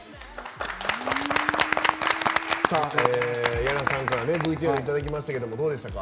屋良さんからＶＴＲいただきましたけどどうでしたか？